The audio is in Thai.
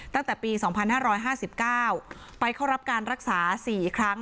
ตั้งแต่ปีสองพันห้าร้อยห้าสิบเก้าไปเข้ารับการรักษาสี่ครั้ง